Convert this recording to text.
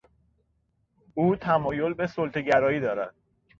او تمایل به سلطهگرایی دارد.